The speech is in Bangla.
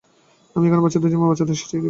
আমি এখানে বাচ্চাদের জীবন বাঁচাতে এসেছি, রিক।